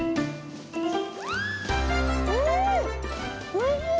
おいしい！